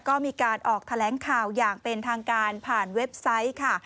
ก็มีการออกแถลงข่าวอย่างเป็นทางการผ่านเว็บไซต์ค่ะ